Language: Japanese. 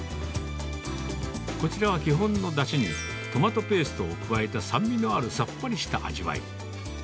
こちらは、基本のだしにトマトペーストを加えた酸味のあるさっぱりした味わい。